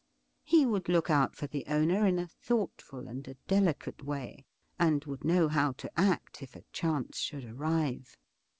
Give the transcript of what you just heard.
He would look out for the owner in a thoughtful and a delicate way, and would know how to act if a chance should arrive.